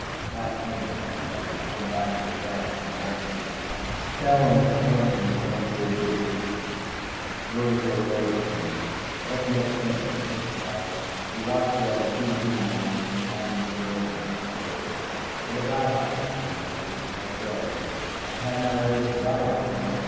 That finished Simonetti. He went back to his desk and slumped against it, scowling at the points of his handtooled boots. Rose looked over at me. "Let's make sense," he said quietly. "We watched you on the TV monitor from the time you came in." "Sure," I said. "What about it?" he demanded. I shrugged. "I had my way with the dice, Peno.